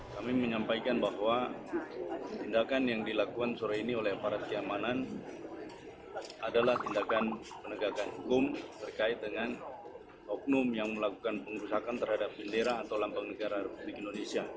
kami menyampaikan bahwa tindakan yang dilakukan sore ini oleh aparat keamanan adalah tindakan penegakan hukum terkait dengan oknum yang melakukan pengerusakan terhadap bendera atau lambang negara republik indonesia